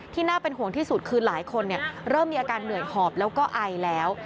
น่าเป็นห่วงที่สุดคือหลายคนเริ่มมีอาการเหนื่อยหอบแล้วก็ไอแล้ว